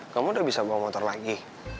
kamu udah bisa bawa motor lagi